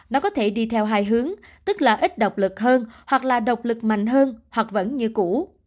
nó có thể đi theo hai hướng tức là ít độc lực hơn hoặc là độc lực mạnh hơn hoặc vẫn như cũ